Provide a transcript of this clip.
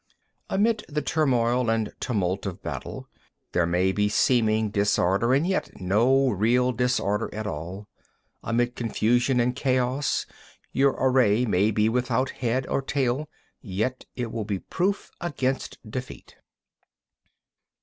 16. Amid the turmoil and tumult of battle, there may be seeming disorder and yet no real disorder at all; amid confusion and chaos, your array may be without head or tail, yet it will be proof against defeat.